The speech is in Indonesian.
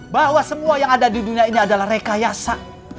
bahwa semua yang ada di dunia ini adalah rekayasa